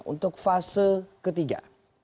untuk fase ketiga